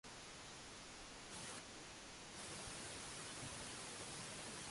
The rock is considered as a conglomerate of discrete intact blocks bounded by joints.